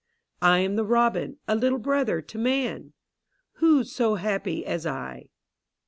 I am the robin, a little brother to man! Who so happy as I?"